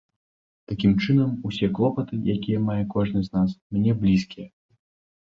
Такім чынам, усе клопаты, якія мае кожны з нас, мне блізкія.